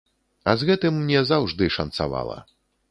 А з гэтым мне заўжды шанцавала.